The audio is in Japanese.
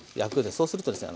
そうするとですね